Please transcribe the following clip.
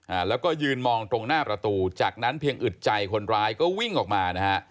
อ่าแล้วก็ยืนมองตรงหน้าประตูจากนั้นเพียงอึดใจคนร้ายก็วิ่งออกมานะฮะ